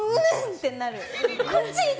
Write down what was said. ってなる。